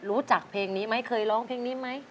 รู้จักเพลงนี้ไหมเคยร้องเพลงนี้ไหม